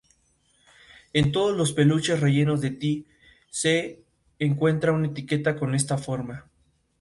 Tarquinio el Soberbio firmó un tratado de paz con los ecuos.